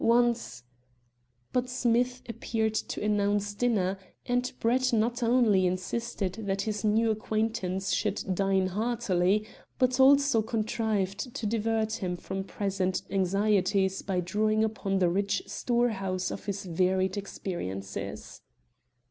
Once " But Smith appeared to announce dinner, and Brett not only insisted that his new acquaintance should dine heartily, but also contrived to divert him from present anxieties by drawing upon the rich storehouse of his varied experiences.